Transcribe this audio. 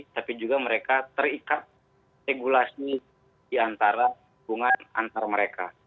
tapi juga mereka terikat regulasi diantara hubungan antar mereka